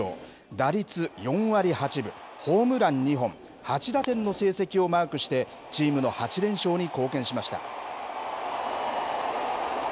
打率４割８分、ホームラン２本、８打点の成績をマークして、チームの８連勝に貢献しました。